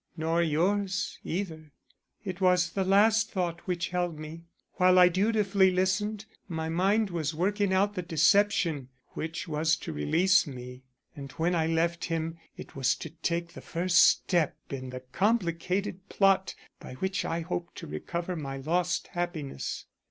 Nor yours, either. It was the last thought which held me. While I dutifully listened, my mind was working out the deception which was to release me, and when I left him it was to take the first step in the complicated plot by which I hoped to recover my lost happiness.